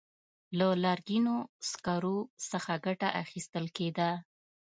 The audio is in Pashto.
له لرګینو سکرو څخه ګټه اخیستل کېده.